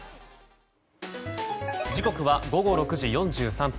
時刻は午後６時４３分。